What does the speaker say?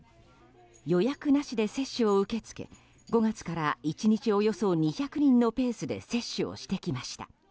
予約なしで接種を受け付け５月から１日およそ２００人のペースで接種をしてきました。